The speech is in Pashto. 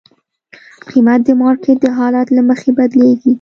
قیمت د مارکیټ د حالت له مخې بدلېږي.